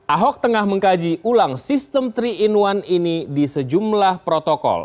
ahok tengah mengkaji ulang sistem tiga in satu ini di sejumlah protokol